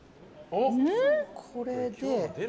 これで。